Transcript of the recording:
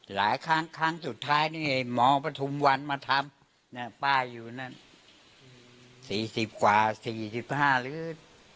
หลายครั้งครั้งสุดท้ายนี่หมอปฐุมวันมาทำป้าอยู่นั่น๔๐กว่า๔๕ลื้อ